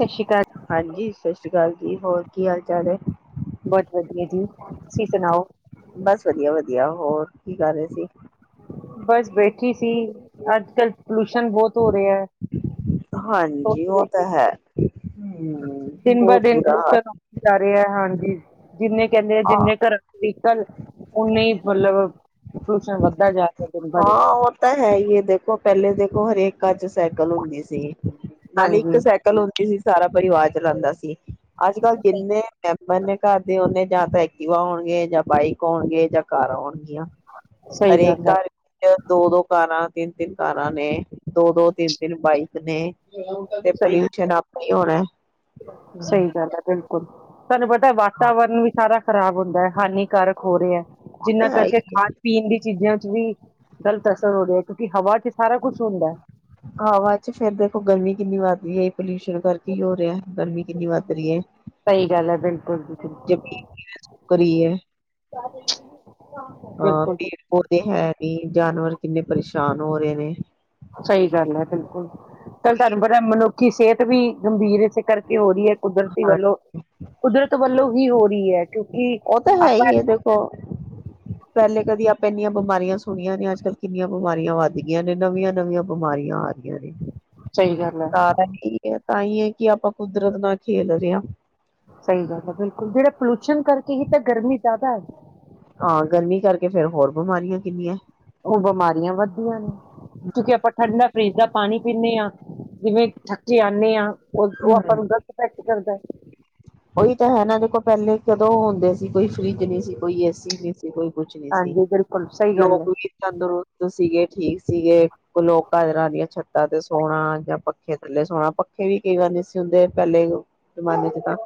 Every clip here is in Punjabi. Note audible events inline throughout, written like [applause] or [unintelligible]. ਸਤਿ ਸ਼੍ਰੀ ਅਕਾਲ ਹਾਂਜੀ ਸਤਿ ਸ੍ਰੀ ਅਕਾਲ ਜੀ ਹੋਰ ਕੀ ਹਾਲ ਜਾ ਦੇ ਬਹੁਤ ਵਧੀਆ ਜੀ ਤੁਸੀਂ ਸੁਣਾਓ। ਬਸ ਵਧੀਆ-ਵਧੀਆ ਹੋਰ ਕੀ ਕਰ ਰਹੇ ਸੀ? ਬਸ ਬੈਠੀ ਸੀ ਅੱਜ ਕਲ। ਪੋਲੂਸ਼ਨ ਬਹੁਤ ਹੋ ਰਿਹਾ ਹੈ ਹਾਂਜੀ ਸੋਚ ਉਹ ਰਹੀ ਤਾਂ ਸੀ ਹੈ ਹਮ ਦਿਨ ਬ ਬਹੁਤ ਦਿਨ ਬੁਰਾ ਕਲੂ ਹਾਲ ਜਾ ਰਿਹਾ ਹਾਂਜੀ। ਜਿੰਨੇ ਕਹਿੰਦੇ ਆ ਹਾਂ ਜਿੰਨੇ ਘਰਾਂ ਲਈ ਚੱਲ ਨੇ ਮਤਲਬ ਪੋਲੂਸ਼ਨ ਵੱਧਦਾ ਜਾ ਰਿਹਾ ਦਿਨ ਬ ਦਿਨ ਹਾਂ ਉਹ ਤਾਂ ਹੈ ਇਹ ਦੇਖੋ ਪਹਿਲੇ ਦੇਖੋ। ਉਹ ਹਰੇਕ ਅੱਜ ਸਾਈਕਲ ਹੁੰਦੀ ਸੀ ਨਾਲੇ ਇੱਕ ਹਾਂਜੀ ਸਾਈਕਲ ਹੁੰਦੀ ਸੀ ਸਾਰਾ ਪਰਿਵਾਰ ਚਲਾਉਂਦਾ ਸੀ। ਅੱਜ ਕੱਲ੍ਹ ਜਿੰਨੇ ਮੈਂਬਰ ਨੇ ਘਰ ਦੇ ਨੇ ਜਾਂ ਤਾਂ ਐਕਟਿਵਾ ਹੋਵੇ ਜਾਂ ਬਾਈਕ ਹੋਣਗੇ ਜਾਂ ਕਾਰ ਆਉਣਗੀਆਂ। [unintelligible] ਸਹੀ ਹਰੇਕ ਗੱਲ ਹੈ ਘਰ ਵਿੱਚ ਦੋ-ਦੋ ਕਾਰਾਂ ਤਿੰਨ-ਤਿੰਨ ਕਾਰਾਂ ਨੇ ਦੋ-ਦੋ ਤਿੰਨ- ਤਿੰਨ ਬਾਈਕ ਨੇ। ਤੇ ਸਹੀ ਪੋਲਊਸ਼ਨ ਆਪ ਹੀ ਹੋਣਾ ਏ ਸਹੀ ਗੱਲ ਹੈ ਬਿਲਕੁਲ। ਤੁਹਾਨੂੰ ਪਤਾ ਵਾਤਾਵਰਨ ਵੀ ਸਾਰਾ ਖ਼ਰਾਬ ਹੁੰਦਾ ਹੈ ਹਾਨੀਕਾਰਕ ਹੋ ਰਿਹਾ। ਜਿੰਨਾਂ ਹੈ ਕਰਕੇ ਹੀ ਖਾਣ-ਪੀਣ ਦੀ ਚੀਜ਼ਾਂ ਚ ਵੀ ਗਲਤ ਅਸਰ ਹੋ ਰਿਹੀ ਹੈ ਕਿਉਂਕਿ ਹਵਾ ਚ ਸਾਰਾ ਕੁੱਝ ਹੁੰਦਾ। ਹਵਾ ਚ ਫੇਰ ਦੇਖੋ ਗਰਮੀ ਕਿੰਨੀ ਵਧਦੀ ਐ। ਪੋਲਿਊਸ਼ਨ ਕਰਕੇ ਹੋ ਰਿਹਾ ਗਰਮੀ ਕਿੰਨੀ ਵੱਧ ਰਹੀ ਹੈ। ਸਹੀ ਗੱਲ ਹੈ ਬਿਲਕੁਲ ਜੀ ਬਿਲਕੁਲ ਜਮੀਨ ਕਿਵੇ ਸੁੱਕ ਰਹੀ ਹੈ ਹਾਂ ਬਿਲਕੁਲ ਪੇੜ ਪੌਦੇ ਹੈ ਨਹੀਂ। ਜਾਨਵਰ ਕਿੰਨੇ ਪਰੇਸ਼ਾਨ ਹੋ ਰਹੇ ਨੇ। ਸਹੀ ਗੱਲ ਹੈ ਬਿਲਕੁਲ। ਚੱਲ ਤੁਹਾਨੂੰ ਪਤਾ ਮਨੁੱਖੀ ਸਿਹਤ ਵੀ ਗੰਭੀਰ ਕਰਕੇ ਹੋ ਰਹੀ ਹੈ ਕੁਦਰਤੀ ਹਾਂ ਵੱਲੋਂ ਕੁਦਰਤ ਵੱਲੋਂ ਹੀ ਹੋ ਵੀ ਏ ਉਹ ਤਾਂ ਹੈ ਹੀ ਹੈ ਦੇਖੋ ਪਹਿਲੇ ਕਦੀ ਆਪੇ ਇੰਨੀਆ ਬਿਮਾਰੀਆਂ ਸੁਣੀਆਂ ਨੇ ਅੱਜ ਕੱਲ ਕਿੰਨੀਆਂ ਬਿਮਾਰੀਆਂ ਵੱਧ ਗਈਆਂ ਨੇ ਨਵੀਆਂ ਨਵੀਆਂ ਬਿਮਾਰੀਆਂ ਆ ਗਈਆਂ ਨੇ ਸਹੀ ਗੱਲ ਹੈ [unintelligible] ਤਾਂ ਹੀ ਹੈ ਕਿ ਆਪਾਂ ਕੁਦਰਤ ਨਾਲ ਖੇਡ ਰਹੇ ਹਾਂ। ਸਹੀ ਗੱਲ ਹੈ ਬਿਲਕੁਲ ਜਿਹੜਾ ਪੋਲਿਸ਼ਨ ਕਰਕੇ ਹੀ ਤਾਂ ਗਰਮੀ ਜਿਆਦਾ ਐ ਹਾਂ ਗਰਮੀ ਕਰਕੇ ਫੇਰ ਹੋਰ ਬਿਮਾਰੀਆਂ ਕਿੰਨੀਆਂ ਉਹ ਬਿਮਾਰੀਆਂ ਵੱਧਦੀਆਂ ਨੇ ਕਿਉਂਕਿ ਆਪਾਂ ਠੰਡਾ ਫਰਿੱਜ ਦਾ ਪਾਣੀ ਪੀਨੇ ਹਾਂ ਜਿਵੇਂ ਥੱਕੇ ਹਾਰੇ ਆਣੇ ਆ ਉਹ ਹਮ ਉਹ ਆਪਾਂ ਨੂੰ ਗਲਤ ਇਫੈਕਟ ਕਰਦਾ। ਉਹੀ ਤਾਂ ਹੈ ਨਾ ਦੇਖੋ ਪਹਿਲੇ ਕਦੋਂ ਹੁੰਦੇ ਸੀ ਕੋਈ ਫਰਿਜ ਨਹੀਂ ਸੀ ਕੋਈ ਏਸੀ ਨਹੀਂ ਸੀ। ਕੋਈ ਕੁਛ ਨੀ ਸੀ ਹਾਂਜੀ ਬਿਲਕੁਲ ਸਹੀ ਗੱਲ ਹੈ ਲੋਕ ਵੀ ਤੰਦਰੁਸਤ ਸੀਗੇ ਠੀਕ ਸੀਗੇ ਲੋਕ [unintelligible] ਛਤਾ ਤੇ ਸੋਣਾ ਜਾਂ ਪੱਖੇ ਥੱਲੇ ਸੋਣਾ ਪੱਖੇ ਵੀ ਕਈ ਵਾਰ ਨਹੀਂ ਸੀ ਹੁੰਦੇ ਪਹਿਲੇ ਜਮਾਨੇ ਚ ਤਾਂ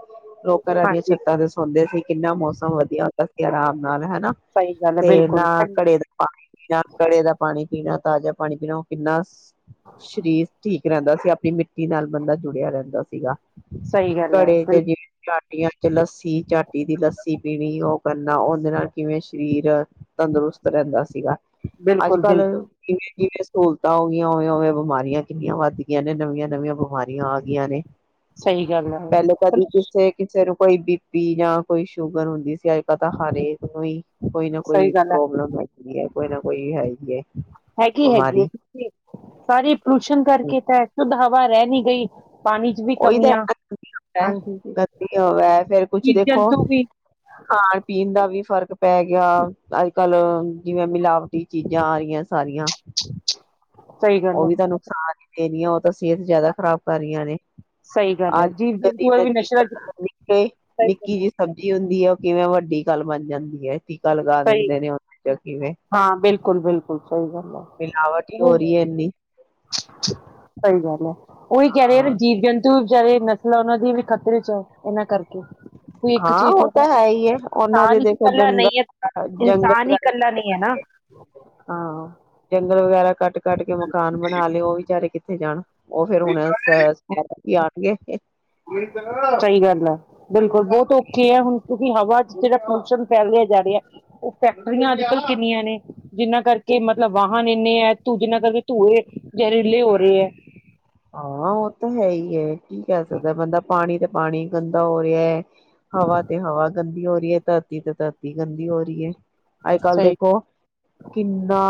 ਲੋਕ ਘਰਾਂ ਦੀਆਂ ਹਾਂਜੀ ਛੱਤਾਂ ਦੇ ਸੌਂਦੇ ਕਿੰਨਾ ਮੌਸਮ ਵਧੀਆ ਹੁੰਦਾ ਸੀ ਆਰਾਮ ਨਾਲ ਹ ਸਹੀ ਗੱਲ ਹੈ ਤੇ ਨਾ ਬਿਲਕੁਲ ਘੜੇ ਦਾ ਪਾਣੀ ਘੜੇ ਪੀਣਾ ਤਾਜ਼ਾ ਪਾਣੀ ਪੀਣਾ ਉਹ ਕਿੰਨਾ ਸ਼੍ਰੀਸ਼ ਜੀ ਰਹਿੰਦਾ ਸੀ ਆਪਣੀ ਮਿੱਟੀ ਨਾਲ ਬੰਦਾ ਜੁੜਿਆ ਰਹਿੰਦਾ ਸੀਗਾ ਸਹੀ ਗੱਲ ਹੈ ਘੜੇ ਚ ਬਿਲਕੁਲ ਜਿਵੇਂ ਚਾਟੀਆਂ ਚ ਲੱਸੀ ਚਾਟੀ ਦੀ ਲੱਸੀ ਪੀਣੀ ਉਹ ਕਰਨਾ ਉਹਦੇ ਨਾਲ ਕਿਵੇਂ ਸਰੀਰ ਤੰਦਰੁਸਤ ਰਹਿੰਦਾ ਸੀਗਾ ਅੱਜ ਬਿਲਕੁਲ ਕੱਲ ਬਿਲਕੁਲ ਜ ਸਹੂਲਤਾਂ ਹੋ ਗਈਆਂ ਹੋਵੇ ਹੋਵੇ ਬਿਮਾਰੀਆਂ ਕਿੰਨੀਆਂ ਵੱਧ ਗਈਆਂ ਨੇ ਨਵੀਆਂ ਨਵੀਆਂ ਬਿਮਾਰੀਆਂ ਆ ਗਈਆਂ ਨੇ ਸਹੀ ਗੱਲ ਆ ਨਿਚੇਕ ਚਿਰ ਕੋਈ ਬੀ ਪੀ ਜਾਂ ਕੋਈ ਸ਼ੂਗਰ ਹੁੰਦੀ ਸੀ ਅੱਜ ਕੱਲ ਤਾਂ ਹਰੇਕ ਨੂੰ ਹੀ ਕੋਈ ਨਾ ਸਹੀ ਕੋਈ ਗੱਲ ਪ੍ਰੋਬਲਮ ਹੈ ਕੋਈ ਨਾ ਕੋਈ ਹੈ ਹੀ ਹੈ ਹੈਗੀ ਹੈਗੀ ਹੈ ਬਿਮਾਰੀ ਕਿਂਕਿ ਸਾਰੇ ਪੋਲੂਸ਼ਨਣ ਕਰਕੇ ਤਾਂ ਸ਼ੁੱਧ ਹਵਾ ਰਹਿ ਨੀ ਗਈ ਪਾਣੀ ਚ ਵੀ ਉਹੀ ਤਾਂ ਕਮੀਆਂ ਇ ਗ ਹਾਂਜੀ ਗੰਦੀ ਹੋਵੇ ਫੇਰ ਕੁਛ ਜੀਵ ਦੇਖੋ ਜੰਤੂ ਵੀ ਖਾਣ ਪੀਣ ਦਾ ਵੀ ਫ਼ਰਕ ਪੈ ਗਿਆ ਅੱਜ ਕੱਲ੍ਹ ਜਿਵੇਂ ਮਿਲਾਵਟੀ ਚੀਜ਼ਾਂ ਆ ਰਹੀਆਂ ਸਾਰੀਆਂ ਸਹੀ ਗੱਲ ਉਹ ਹੈ ਵੀ ਤਾਂ ਨੁਕਸਾਨ ਹੀ ਦੇਣੀੀਆਂ ਉਹ ਤਾਂ ਸਿਹਤ ਜ਼ਿਆਦਾ ਖ਼ਰਾਬ ਕਰ ਰਹੀਆਂ ਨੇ ਸਹੀ ਗੱਲ ਹੈ ਅੱਜ ਜੀਵ ਕਦੀ ਜੰਤੂ ਵੀ ਨਜ਼ਦੀਕ ਨਸ਼ਰ ਚ ਨਿੱਕੇ ਸਹੀ ਨਿੱਕੀ ਗੱਲ ਜਿਹੀ ਸਬਜ਼ੀ ਹੁੰਦੀ ਹੈ ਉਹ ਕਿਵੇਂ ਵੱਡੀ ਗੱਲ ਬਣ ਜਾਂਦੀ ਹੈ ਟੀਕਾ ਲਗਾ ਸਹੀ ਦਿੰਦੇ ਨੇ ਉਹਦੇ ਚ ਕਿਵੇਂ ਹਾਂ ਬਿਲਕੁਲ ਬਿਲਕੁਲ ਸਹੀ ਗੱਲ ਹੈ ਮਿਲਾਵਟ ਹੀ ਹੋ ਉਹ ਰਹੀ ਹੈ [inaudible] ਸਹੀ ਗੱਲ ਹੈ ਉਹੀ ਕਹਿ ਰਹੇ ਹਾਂ ਜੀਵ ਜੰਤੂ ਨਸਲਾਂ ਉਹਨਾਂ ਦੀ ਵੀ ਖ਼ਤਰੇ ਚ ਹੈ ਇਹਨਾਂ ਕਰਕੇ ਕੋਈ ਇੱਕ ਹਾਂ ਚੀਜ਼ ਉਹ ਤਾਂ ਹੈ ਹੀ ਹੈ ਉਹਨਾਂ ਇਨਸਾਨ ਦੇ ਹੀ ਦੇਖੋ ਇਕੱਲਾ ਜੰਗਲ ਨਹੀਂ ਹੈ ਜੰਗਲ ਇਨਸਾਨ ਹੀ ਵਗੈਰਾ ਇਕੱਲਾ ਨਹੀਂ ਹੈ ਨਾ ਹਾਂ ਜੰਗਲ ਵਗੈਰਾ ਕੱਟ ਕੇ ਕੱਢ ਕੇ ਮਕਾਨ ਬਣਾ ਲਏ ਉਹ ਵੀ ਜਾਰੇ ਕਿੱਥੇ ਜਾਣਾ ਉਹ ਫੇਰ ਹੁਣ ਅ ਕਹਿ [unintelligible] ਸਹੀ ਗੱਲ ਵੀ ਹਵਾ ਚ ਜਿਹੜਾ ਪ੍ਰਦੂਸ਼ਣ ਫੈਲਿਆ ਜਾ ਰਿਹਾ ਹੈ ਉਹ ਫੈਕਟਰੀਆਂ ਅੱਜ ਕੱਲ੍ਹ ਕਿੰਨੀਆਂ ਨੇ ਜਿਹਨਾਂ ਕਰਕੇ ਮਤਲਬ ਵਾਹਨ ਇੰਨੇ ਹੈ ਧੂ ਜਿਹਨਾਂ ਕਰਕੇ ਧੂਏ ਜ਼ਹਿਰੀਲੇ ਹੋ ਰਹੇ ਹੈ। ਹਾਂ ਉਹ ਤਾਂ ਹੈ ਹੀ। ਕੀ ਕਹਿ ਸਕਦਾ ਬੰਦਾ ਪਾਣੀ ਤੇ ਪਾਣੀ ਗੰਦਾ ਹੋ ਰਿਹਾ ਹੈ। ਹਵਾ ਤੇ ਹਵਾ ਗੰਦ ਦੀ ਹੋ ਰਹੀ ਹੈ ਧਰਤੀ ਤੇ ਧਰਤੀ ਗੰਦੀ ਹੋ ਰਹੀ ਹੈ। ਅੱਜ ਕੱਲ੍ਹ ਸਹੀ ਦੇਖੋ ਕਿੰਨਾ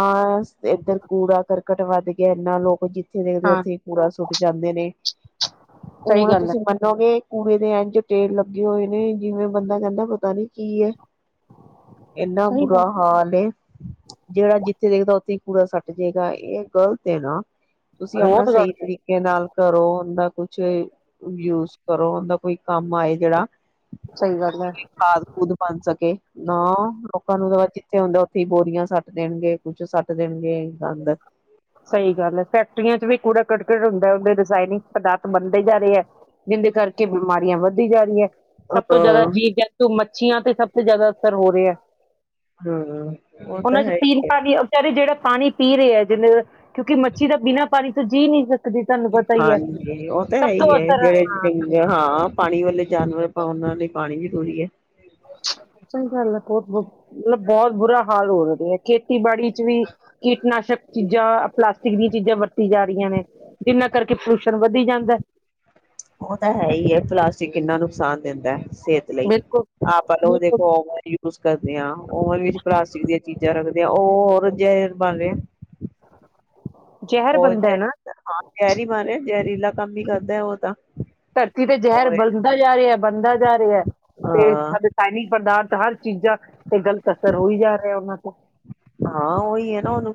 ਇੱਧਰ ਕੂੜਾ ਕਰਕਟ ਵੱਧ ਗਿਆ ਇੰਨਾ ਲੋਕ ਜ ਥੇ ਦੇਖਦੇ ਹਾਂ ਉਥੇ ਹੀ ਸੁੱਟ ਜਾਂਦੇ ਨੇ ਸਹੀ ਹੁਣ ਗੱਲ ਹੈ ਤੁਸੀਂ ਮੰਨੋਗੇ ਕੂੜੇ ਦੇ ਇੰਝ ਟੇਰ ਲੱਗੇ ਹੋਏ ਨੇ ਜਿਵੇਂ ਬੰਦਾ ਕਹਿੰਦਾ ਪਤਾ ਨੀ ਕੀ ਹੈ। ਇੰਨਾ ਸਹੀ ਬੁਰਾ ਗੱਲ ਹਾਲ ਏ ਜਿਹੜਾ ਜਿੱਥੇ ਦੇਖਦਾ ਉੱਥੇ ਕੂੜਾ ਸੱਟ ਜੇਗਾ ਇਹ ਗ਼ਲਤ ਹੈ ਨਾ। ਤੁਸੀਂ ਆਪਣਾ ਬਹੁਤ ਸਹੀ ਗਲਤ ਹ। ਤਰੀਕੇ ਨਾਲ ਕਰੋ ਉਹਦਾ ਕੁਛ ਯੂਜ ਕਰੋ ਉਹਦਾ ਕੋਈ ਕੰਮ ਆਏ ਜਿਹੜਾ ਸਹੀ ਗੱਲ ਹੈ ਖਾਦ-ਖੂਦ ਬਣ ਸਕੇ। ਨਾ ਲੋਕਾਂ ਨੂੰ ਤਾਂ ਜਿੱਥੇ ਹੁੰਦਾ ਓ ਬੋਰੀਆਂ ਸੱਟ ਦੇਣਗੇ ਕੁੱਛ ਸੱਟ ਦੇਣਗੇ ਗੰਦ। ਸਹੀ ਗੱਲ ਹੈ ਫੈਕਟਰੀਆਂ ਚ ਵੀ ਕੂੜਾ ਕਟਕਟ ਹੁੰਦਾ ਉਹਦੇ ਰਾਇਨਿੰ ਪਦਾਰਥ ਬਣਦੇ ਜਾ ਰਹੇ ਹੈ ਜਿਹਦੇ ਕਰਕੇ ਬਿਮਾਰੀਆਂ ਵਧ ਧੀ ਜਾ ਰਹੀਆਂ। ਸਭ ਤੋਂ ਜ਼ਿਆਦਾ ਹਾਂ ਜੀਵ, ਜੰਤੂ ਮ ਚੀਆਂ ਤੇ ਸਭ ਤੋਂ ਜ਼ਿਆਦਾ ਅਸਰ ਹੋ ਰਿਹਾ। ਹੂੰ, ਉਹ ਤਾਂ ਉਹਨਾਂ ਚ ਹੈ ਹੀ ਪੀਣ ਹੈ। ਪਾਣੀ ਵਿਚਾਰੇ ਜਿਹੜਾ ਪਾਣੀ ਪੀ ਰਹੇ ਹੈ ਜਿਨੇ ਕਿ ਮੱਛੀ ਦਾ ਬਿਨਾਂ ਨੀ ਜੀ ਨਹੀਂ ਸਕ ਹਾਂਜੀ ਉਹ ਤਾਂ ਤੋਂ ਇਹੀ ਹੈ ਅਸਰ ਹਾਂ ਜਿਹੜੇ ਹਾਂ ਪਾਣੀ ਵਾਲੇ ਜਾਨਵਰ ਆਪ ਉਹਨਾਂ ਲਈ ਪਾਣੀ ਜ਼ਰੂਰੀ ਹੈ। ਸਹੀ ਗੱਲ ਹੈ [unintelligible] ਬਹੁਤ ਬੁਰਾ ਹਾਲ ਹੋ ਰਹੇ ਹੈ ਖੇਤੀਬਾੜੀ ਵੀ ਕੀਟਨਾਸ਼ਕ ਚੀ ਜਾਂ ਪਲਾਸਟਿਕ ਦੀਆਂ ਚੀਜ਼ਾਂ ਵਰਤੀ ਜਾ ਰਹੀਆਂ ਨੇ। ਜਿੰਨਾ ਕਰਕੇ ਪੁਰਲੂਸ਼ਣ ਵੱਧੀ ਜਾਂਦਾ ਉਹ ਤਾਂ ਹੈ ਹੀ ਹੈ ਪਲਾਸਟਿਕ ਕਿੰਨਾ ਨੁਕਸਾਨ ਦਿੰਦਾ ਹੈ। ਸਿਹਤ ਲਈ ਬਿਲਕੁਲ ਆਪ ਲੋ ਉਹ ਬਿਲਕੁਲ ਦੇਖੋ ਕਰਦੇ ਆ ਓਵਨ ਵਿੱਚ ਪਲਾਸਟਿਕ ਦੀਆਂ ਚੀਜ਼ਾਂ ਰੱਖਦੇ ਆ ਉਹ ਹੋਰ ਜਿਹਾ ਬਣ ਰਿਹਾ ਜ਼ਹਿਰ ਹੋਰ ਬਣਦਾ ਜ ਹੈ ਨਾ ਹਾਂ ਜਹਿਰੀ ਮਾਰੇ ਜਹਿਰੀਲਾ ਕੰਮ ਹੀ ਕਰਦਾ ਉਹ ਤਾਂ ਧਰਤੀ ਤੇ ਜ਼ਹਿਰ ਓਏ ਬਣਦਾ ਜਾ ਰਿਹਾ। ਬਣਦਾ ਜਾ ਰਿਹਾ। ਤੇ ਹਾਂ ਸਾਡੇ ਚਾਈਨੀਜ਼ ਪਦਾਰਥ ਸਾਲ ਚੀਜ਼ਾਂ ਤੇ ਗ਼ਲਤ ਅਸਰ ਹੋਈ ਜਾ ਰਿਹਾ ਉਹਨਾਂ ਤੋਂ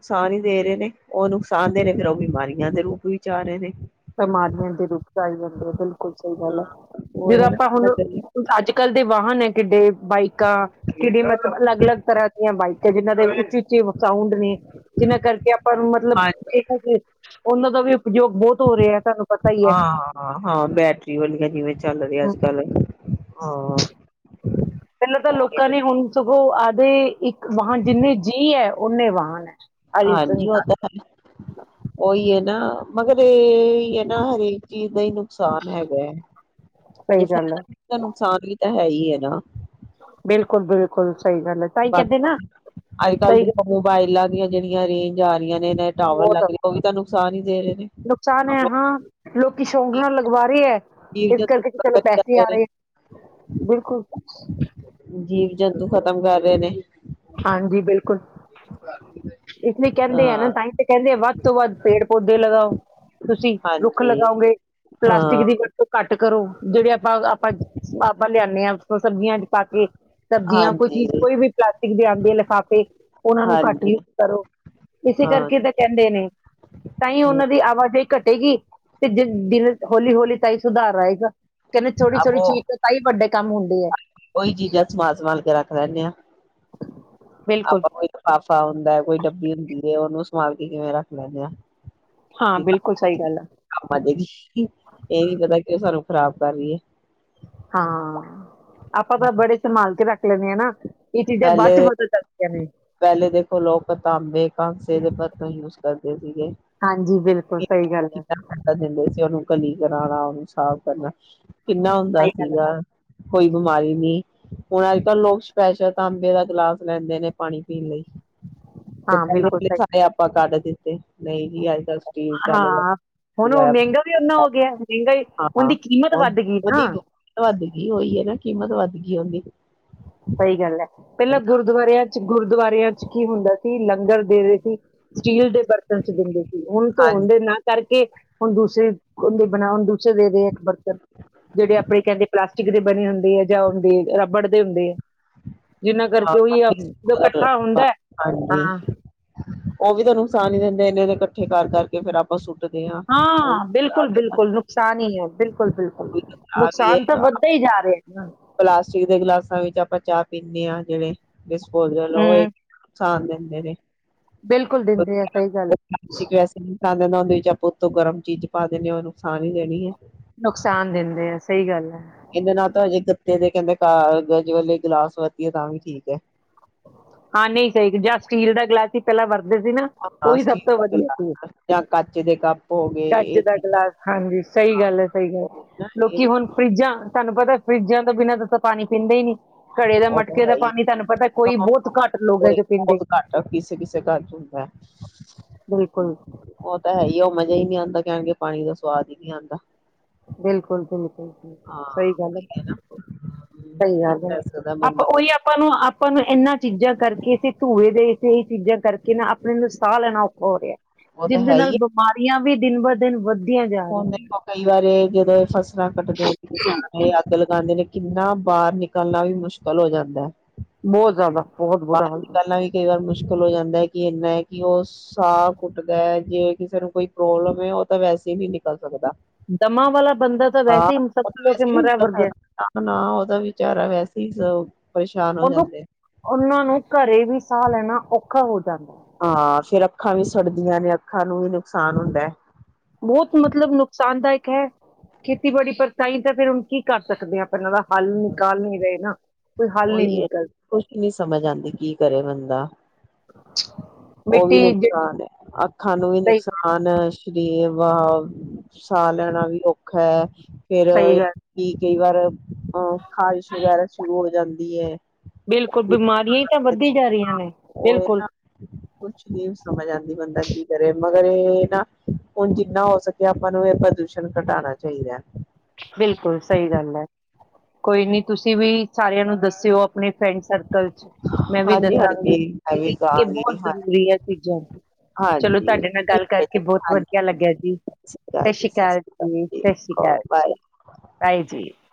ਸਾਰੇ ਦੇ ਰਹੇ ਨੇ। ਉਹ ਨੁਕਸਾਨ ਦੇ ਨੇ ਫਿਰ ਉਹ ਵੀ ਬਿਮਾਰੀਆਂ ਦੇ ਰੂਪ ਵਿੱਚ ਆ ਰਹੇ ਨੇ। ਬਿਮਾਰੀਆਂ ਦੇ ਰੂਪ ਚ ਆਈ ਜਾਂਦੇ ਆ ਬਿਲਕੁਲ ਸਹੀ ਗੱਲ ਹਾਂ ਹੈ। ਉਹ ਜਦੋਂ ਹੈ ਨਾ ਆਪਾਂ ਹੁਣ ਹਾਂਜੀ ਅੱਜ ਕੱਲ ਦੇ ਵਾਹਨ ਹੈ ਕਿੱਡੇ ਬਾਈਕਾਂ ਕਿੜ ਮਤਲਬ ਅਲੱਗ ਅਲੱਗ ਤਰ੍ਹਾਂ ਦੀਆਂ ਬਾਈਕਾਂ ਤੇ ਜਿਹਨਾਂ ਦੇ ਵਿੱਚ ਓ ਸਾਊਂਡ ਨੇ ਜਿਹਨਾਂ ਕਰਕੇ ਆਪਾਂ ਨੂੰ ਮਤਲਬ ਇਹਨਾਂ ਦੇ ਉਹਨਾਂ ਦਾ ਵੀ ਉਪਯੋਗ ਬਹੁਤ ਹੋ ਰਿਹਾ ਤੁਹਾਨੂੰ ਪਤਾ ਹੀ ਹੈ। ਹਾਂ ਹਾਂ ਬੈਟਰੀ ਵਾਲੀਆ ਜਿਵੇਂ ਚੱਲ ਰਹੀ ਅੱਜ ਕੱਲ ਹਾਂ। ਉਹ ਆਦੇ ਇੱਕ ਵਾਹਨ ਜਿੰਨੇ ਜੀਅ ਹੈ ਓਨੇ ਵਾਹਨ ਹੈ। ਹਰੀ ਹਾਂਜੀ ਉਹ ਸਹੀ ਤਾਂ ਹੈ ਉਹੀ ਹੈ। ਨਾ ਮਗਰ ਇਹ ਹੈ ਨਾ ਹਰੇਕ ਚੀਜ਼ ਦਾ ਹੀ ਨੁਕਸਾਨ ਹੈਗਾ ਹੈ। ਜੇ ਫਾਇਦਾ ਹੈ ਨੁਕਸਾਨ ਵੀ ਤਾਂ ਹੈ ਹੈ ਹੀ ਹੈ ਨਾ। ਬਿਲਕੁਲ ਬਿਲਕੁਲ ਬਾਕੀ ਅੱਜ ਕੱਲ੍ਹ ਸਹੀ ਦੇ ਮੋਬਾਇਲ ਆ ਦੀਆਂ ਜਿਹੜੀਆਂ ਰੇਂਜ ਆ ਰਹੀਆ ਨੇ ਇਹ ਟਾਵਰ ਬਹੁਤ ਲੱਗ ਉਹ ਵੀ ਤਾਂ ਨੁਕਸਾਨ ਹੀ ਦੇ ਰਹੇ ਨੇ। ਨੁਕਸਾਨ ਹੈ ਹਾਂ ਲੋਕੀ ਸ਼ੌਕ ਨਾਲ ਲਗਵਾ ਰਹੇ ਹੈ ਜੀਵ ਇਸ ਜੰਤੂ ਕਰਕੇ ਚਲੋ ਖਤਮ ਕਰ ਪੈਸੇ ਆ ਨੇ ਰਹੇ ਹੈ। ਬਿਲਕੁਲ ਖ਼ਤਮ ਕਰ ਰਹੇ ਨੇ। ਹਾਂਜੀ ਬਿਲਕੁਲ। ਇਸ ਲਈ ਕਹਿੰਦੇ ਆ ਨਾ, ਹਾਂ ਤਾਂਹੀ ਤੇ ਕਹਿੰਦੇ ਆ ਵਧ ਉ ਤੋਂ ਬਾਦ ਪੇੜ ਪੋਦੇ ਲਗਾਓ। ਤੁਸੀਂ ਰੁੱਖ ਹਾਂਜੀ ਲਗਾਓਗੇ ਹਾਂ ਪਲਾਸਟਿਕ ਦੀ ਵਰਤੋਂ ਘੱਟ ਕਰੋ ਜਿਹੜੇ ਆਪਾਂ ਬ ਆਪਾ ਲਿਆਦੇ ਹਾਂ। ਸਬਜ਼ੀਆਂ ਚ ਪਾ ਕੇ। ਸਬਜ਼ੀਆਂ ਕੋਈ ਹਾਂਜੀ ਚੀਜ਼ ਕੋਈ ਵੀ ਪਲਾ ਆਉਂਦੇ ਲਿਫਾਫੇ ਉਹਨਾਂ ਨੂੰ ਘੱਟ ਹਾਂਜੀ ਹਾਂਜੀ ਯੂਜ ਕਰੋ, ਇਸੇ ਹਾਂ ਕਰਕੇ ਤਾਂ ਕਹਿੰਦੇ ਨੇ, ਤਾਂ ਹੀ ਹਮ ਉਹਨਾਂ ਦੀ ਆਵਾਜਾਈ ਘੱਟੀ ਗੀ ਤੇ ਦਿਨ ਚ ਹੌਲੀ ਹੌਲੀ ਤਾਂ ਹੀ ਸੁਧਾਰ ਆਏਗਾ। ਕਹਿੰਦੇ ਥੋੜ੍ਹੀ ਅਬ ਥੋੜੀ ਉਹ ਚੀਜ਼ ਤਾਂ ਹੀ ਵੱਡੇ ਕੰਮ ਹੁੰਦੇ ਏ। ਉਹੀ ਚੀਜ਼ਾਂ ਸੰਭਾਲ ਸੰਭਾਲ ਕੇ ਰੱਖ ਲੈਂਦੇ ਹਾਂ। ਬਿਲਕੁਲ ਆਪਾ ਕੋਈ ਲਿਫਾਫਾ ਹੁੰਦੈ ਕੋਈ ਡੱਬੀ ਹੁੰਦੀਏ, ਉਹਨੂੰ ਸੰਭਾਲ ਕੇ ਕਿਵੇਂ ਰੱਖ ਲੈਂਦੇ ਹਾਂ। ਹਾਂ ਬਿਲਕੁਲ ਸਹੀ ਗੱਲ [unintelligible] ਆ ਆਜੇਗੀ ਇਹ ਨ ਪਤਾ ਕਿ ਸਾਨੂੰ ਖ਼ਰਾਬ ਕਰ ਰਏ। ਹਾਂ। ਆਪਾਂ ਤਾਂ ਬੜੇ ਸੰਭਾਲ ਕੇ ਰੱਖ। ਲੈਂਦੇ ਹਾਂ ਨਾ ਇਹ ਚੀਜ਼ਾਂ ਬਾਅਦ ਚ ਪਹਿਲੇ, ਪਤਾ ਚੱਲਦੀਆਂ ਨੇ ਪਹਿਲੇ ਦੇਖੋ ਲੋਕ ਤਾਂਬੇ ਦੇ ਪੱਤਰ ਯੂਜ ਕਰਦੇ। ਸੀਗੇ ਹਾਂਜੀ ਬਿਲਕੁਲ ਸਹੀ ਗੱਲ ਹੈ [unintelligible] ਦਿੰਦੇ ਸੀ ਉਹਨੂੰ ਕਲੀ ਕਰਾਣਾ, ਹਿਸਾਬ ਕਰਨਾ। ਕਿੰਨਾ ਹੁੰਦਾ ਸਹੀ ਗੱਲ ਹੈ ਸੀਗਾ, ਕੋਈ ਬਿਮਾਰੀ ਨੀ, ਹੁਣ ਅੱਜ ਕੱਲ੍ਹ ਲੋਕ ਤਾਂਬੇ ਦਾ ਗਿਲਾਸ ਲੈਂਦੇ ਨੇ ਪਾਣੀ ਪੀਣ ਲਈ। ਹਾਂ ਬਿਲਕੁਲ ਸਹੀ ਤੇ [unintelligible] ਆਪਾਂ ਕੱਢਦੇ ਤੇ ਨਹੀਂ ਅੱਜ ਕੱਲ ਸਟੀਲ ਹਾਂ ਹੁਣ ਉਹ ਮਹਿੰਗਾ ਵੀ ਓਨਾ ਹੋ ਗਿਆ ਮਹਿੰਗਾ ਹੀ ਉਹਦੀ ਕੀਮਤ ਵੱਧ ਗਈ ਨਾ ਚ ਕੀਮਤ ਵੱਧ ਗਈ ਉਹਦੀ। ਸਹੀ ਗੱਲ ਹੈ। ਪਹਿਲਾਂ ਗੁਰਦੁਆਰਿਆਂ ਚ ਗੁਰਦੁਆਰਿਆਂ ਕੀ ਹੁੰਦਾ ਸੀ, ਲੰਗਰ ਦੇ ਰਹੇ ਸੀ। ਸਟੀਲ ਦੇ ਬਰਤਨ ਚ ਦਿੰਦੇ ਸੀ, ਹੁਣ ਧੋਣ ਹਾਂਜੀ, ਦੇ ਨਾ ਕਰਕੇ ਕੇ ਹੁਣ ਦੂਸਰੇ ਦੇ ਬੰਦੇ ਬਣਾਉਣਗੇ। ਦੇਦੇ ਇੱਕ ਬਰਤਨ ਜਿਹੜੇ ਆਪਣੇ ਕਹਿੰਦੇ ਪਲਾਸ ਸਟੀਲ ਦੇ ਬਣੇ ਹੁੰਦੇ ਹੈ ਜਾਂ ਹੁੰਦੇ ਰਬੜ ਦੇ ਹੁੰਦੇ ਹੈ। ਜਿੰਨਾਂ ਹਾਂ, ਕਰਕੇ ਉਹੀ ਆ ਇਕੱਠਾ ਅਹ, ਹੁੰਦਾ ਹਾਂਜੀ, ਹਾਂ। ਉਹ ਵੀ ਤਾਂ ਨੁਕਸਾਨ ਹੀ ਦਿੰਦੇ ਇੰਨੇ ਦੇ ਇਕੱਠੇ ਕਰਕੇ ਫ਼ਿਰ ਆਪਾਂ ਸੁੱਟ ਹਾਂ ਬਿਲਕੁਲ-ਬਿਲਕੁਲ ਨੁਕਸਾਨ ਹੀ ਹੈ ਬਿਲਕੁਲ। ਬਿਲਕੁਲ-ਬਿਲਕੁਲ, ਖਰਾਬ ਹੀ ਨੁਕਸਾਨ ਤਾਂ ਹੈ ਵੱਧਦਾ ਹੀ ਜਾ ਰਿਹਾ। ਹਾਂ। ਪਲਾਸਟਿਕ ਦੇ ਗਿਲਾਸਾਂ ਵਿੱਚ ਆਪਾਂ ਚਾਹ ਪੀਂਦੇ ਹਾਂ ਜਿਹਵੇ ਡਿਸਪੋਜਲ ਉਹ ਹੂੰ ਨੁਕਸਾਨ ਦਿੰਦੇ ਨੇ ਬਿਲਕੁਲ ਦਿੰਦੇ ਆ ਵੈਸੇ। ਸਹੀ ਗੱਲ ਉਹਨਾਂ ਵਿਚ ਆਪਾਂ ਉੱਤੋਂ ਗਰਮ ਚੀਜ਼ ਪਾ ਦੇਦੇ ਹਾਂ ਉਹ ਨੁਕਸਾਨ ਹੀ ਦੇਣੀ ਹੈ। ਨੁਕਸਾਨ ਦਿੰਦੇ ਆ ਸਹੀ ਗੱਲ ਹੈ। ਇਹਦੇ ਨਾਲ ਤਾਂ ਹਜੇ ਗੱਤੇ ਦੇ ਕਾਗਜ਼ ਵਲੇ ਗਿਲਾਸ ਵਰਤੰ, ਤਾਂ ਵੀ ਠੀਕ ਹੈ। ਹਾਂ ਨਹੀਂ ਸਹੀ, ਜਾਂ ਸਟੀਲ ਦਾ ਗਿਲਾਸ ਹੀ ਪਹਿਲਾਂ ਵਰ ਹਾਂ ਪਲਾਸਟਿਕ ਦੇ ਗਲਾਸ ਕੱਚ ਦੇ ਕੱਪ ਗਏ ਕੱਚ ਇਹ ਦਾ ਚੀਜ਼ਾਂ ਗਲਾਸ ਹਾਂਜੀ, ਸਹੀ ਗੱਲ ਹੈ-ਸਹੀ ਗੱਲ ਹੋ ਗਈਆਂ ਨਾ, ਇਹ ਲੋਕੀ ਹੁਣ ਚੀਜ਼ ਫਰਿਜਾਂ ਤੁਹਾਨੂੰ ਪਤਾ ਫਰਿੱਜਾਂ ਤੋਂ ਬਿਨਾਂ ਤਾਂ ਪਾਣੀ ਪੀਂਦੇ ਹੀ ਨੀ। ਉਹ ਤਾਂ ਹੈਹੀ, ਕੋਈ ਬਹੁਤ ਘੱਟ ਲੋਕ ਹੈ ਜੋ ਪੀਂਦੇ ਵਦ ਘੱਟ ਕਿਸੇ- ਕਿਸੇ ਘਰ ਚ ਹੁੰਦਾ ਬਿਲਕੁਲ ਉਹ ਤਾਂ ਹੈ ਹੀ ਉਹ ਫਰਿਜ ਨਹੀਂ ਆਉਂਦਾ ਕਹਿਣਗੇ ਪਾਣੀ ਦਾ ਸਵਾਦ ਹੀ ਨਹੀਂ ਆਉਂਦਾ। ਬਿਲਕੁਲ-ਬਿਲਕੁਲ। ਹਾਂ ਸਹੀ ਗੱਲ ਇਹ ਨਾ, ਹੈ- ਹਮ, ਸਹੀ ਕੀ ਗੱਲ ਹੈ, ਕਰ ਸਕਦਾ ਆਪਾਂ ਬੰਦਾ ਉਹੀ ਆਪਾਂ ਨੂੰ- ਆਪਾਂ ਨੂੰ ਇਹਨਾਂ ਚੀਜ਼ਾਂ ਕਰਕੇੇ ਧੂਏ ਦੇ ਚੀਜ਼ਾਂ ਕਰਕੇ ਨਾ ਆਪਣੇ ਨੂੰ ਸਾਹ ਲੈਣਾ ਔਖਾ ਹੋ ਗਿਆ। ਉਹ ਤਾਂ ਜਿਹਦੇ ਨਾਲ ਬਿਮਾਰੀਆਂ ਵੀ ਦਿਨ ਬਾ ਦਿਨ ਵਧ ਫੋਨ ਕਈ ਵਾਰੇ ਜਿਹਦੇ ਉਹ ਸ ਕੱਢਦੇ ਨੇ ਕਿਸਾਨ ਇਹ ਅੱਗ ਲਗਾਉਂਦੇ ਨੇ ਕਿੰਨਾ ਬਾਹਰ ਨਿਕਲਣਾ, ਵੀ ਮੁਸ਼ਕਿਲ ਹੋ ਜਾਂਦਾ। ਬਹੁਤ ਜ਼ਿਆਦਾ। ਬਹੁਤ ਬੁਰਾ ਬਾਹਰ ਹਾਲ ਨਿਟਲਨੲ ਵੀ ਕਈ ਵਾਰ ਮੁ ਮੁਸ਼ਕਿਲ ਹੋ ਜਾਂਦਾ ਹੈ ਕਿ ਇੰਨਾ ਹੈ ਕਿ ਉਹ ਸਾਹ ਘੁਟਦਾ ਹੈ ਜੇ ਕਿਸੇ ਨੂੰ ਕੋਈ ਪ੍ਰੋਬਲਮ ਹੈ ਉਹ ਤਾਂ ਵੈਸੇ ਵੀ ਨਿਕਲ ਸਕਦਾ। ਦਮਾ ਵਾਲਾ ਬੰਦਾ ਤਾਂ ਹਾਂ, ਵੈਸੇ ਹੀ ਸਮਝ ਕੇ ਵੈਸੇ ਮਰਿਆ ਨਿਕਲ ਵਰਗਿਆ ਸਕਦਾ, ਉਹਦਾ ਵਿਚਾਰਾ ਵੈਸੇ ਹੀ ਪਰੇਸ਼ਾਨ ਹੋ ਉਹਨੂੰ ਜਾਂਦੇ। ਉਹਨਾਂ ਨੂੰ ਘਰੇ ਵੀ ਸਾਹ ਲੈਣਾ ਔਖਾ ਹੋ ਜਾਂਦਾ। ਹਾਂ, ਫੇਿਰ ਅੱਖਾਂ ਵੀ ਸੜਦੀਆਂ ਨੇ ਅੱਖਾਂ ਨੂੰ ਵੀ ਨੁਕਸਾਨ ਹੁੰਦਾ ਹੈ। ਬਹੁਤ ਮਤਲਬ ਨੁਕਸਾਨਦਾਇਕ ਹੈ। ਖੇਤੀਬਾੜੀ ਪਰ ਤਾਈ ਤਾਂ ਫੇਰ ਹੁਣ ਕੀ ਕਰ ਸਕਦੇ ਹਾਂ ਆਪਹਿਨਾਂ ਦਾ ਹੱਲ ਨਿਕਾਲ ਨੀ ਰਹੇ ਨਾ। ਕੋਈ ਹੱਲ ਨਹੀਂ ਉਹੀ ਹੈ ਨਿਕਲ ਕੁਛ ਨੀ ਸਮਝ ਆਉਂਦੀ ਕੀ ਕਰੇ ਬੰਦਾ ਉਹ ਵੀ ਮਿੱਟੀ ਜਿਹੜੀ ਨੁਕਸਾਨ ਹੈ ਅੱਖਾਂ ਨੂੰ ਵੀ ਸਹੀ ਨੁਕਸਾਨ ਹੈ ਸਰੀਰ ਵ ਸਾਹ ਲੈਣਾ ਵੀ ਔਖਾ ਹੈ। ਫੇਰ ਸਹੀ ਗੱਲ ਕੀ ਕਈ ਵਾਰ ਅ ਖ਼ਾਰਿਸ਼ ਵਗੈਰਾ ਸ਼ੁਰੂ ਹੋ ਜਾਂਦੀ ਹੈ ਬਿਲਕੁਲ ਬਿਮਾਰੀਆਂ ਹੀ ਤਾਂ ਵੱਧਦੀ ਜਾ ਰਹੀਆਂ ਨੇ ਉਹ ਬਿਲਕੁਲ। ਨਾ ਕੁਛ ਨੀ ਸਮਝ ਆਉਂਦੀ ਬੰਦਾ ਕੀ ਕਰੇ ਮਗਰ ਇਹ ਨਾ ਹੁਣ ਜਿੰਨਾ ਹੋ ਸਕੇ ਆਪਾਂ ਨੂੰ ਇਹ ਪ੍ਰਦੂਸ਼ਣ ਘਟਾਉਣਾ ਚਾਹੀਦਾ। ਬਿਲਕੁਲ ਸਹੀ ਗੱਲ ਹੈ ਕੋਈ ਨੀ ਤੁਸੀਂ ਵੀ ਸਾਰਿਆਂ ਨੂੰ ਦੱਸਿਓ ਆਪਣੇ ਫਰੈਂਡ ਸਰਕਲ ਚ ਮੈਂ ਵੀ ਹਾਂਜੀ ਦੱਸਾਂਗੀ ਹਾਂਜੀ ਮੈਂ ਵੀ ਇਹ ਬਹੁਤ ਕਹਾਂਗੀ ਹਾਂ ਜ਼ਰੂਰੀ ਆ ਚੀਜ਼ਾਂ ਚਲੋ ਹਾਂਜੀ ਤੁਹਾਡੇ ਨਾਲ ਗੱਲ ਠੀਕ ਹੈ ਕਰਕੇ ਜੀ ਬਹੁਤ ਹਾਂਜੀ ਵਧੀਆ ਸਤਿ ਲੱਗਿਆ ਜੀ ਸ਼੍ਰੀ ਸਤਿ ਜੀ ਸ੍ਰੀ ਸਤਿ ਅਕਾਲ ਸ਼੍ਰੀ ਜੀ, ਸਤਿ ਸ੍ਰੀ ਅਕਾਲ। ਬਾਏ ਸਾਈ ਜੀ।